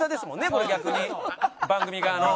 これ逆に番組側の。